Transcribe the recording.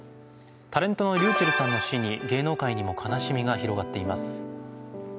タレントのｒｙｕｃｈｅｌｌさんの死に芸能界にも悲しみが広がっています。